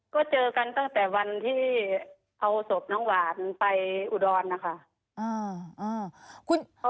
ก็เจอกันตั้งแต่วันที่เอาศพน้องหวานไปอุดรนะคะ